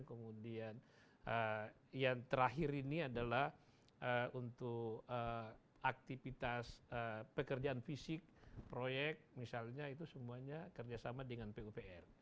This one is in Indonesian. kemudian yang terakhir ini adalah untuk aktivitas pekerjaan fisik proyek misalnya itu semuanya kerjasama dengan pupr